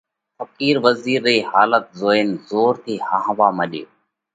ڦقِير وزِير رئِي حالت زوئينَ زور ٿِي هاهوا مڏيو